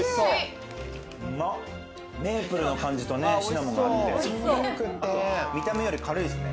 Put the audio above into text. メープルの感じとね、シナモンの感じで、見た目より軽いっすね。